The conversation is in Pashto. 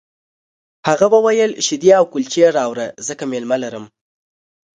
هغه وویل شیدې او کلچې راوړه ځکه مېلمه لرم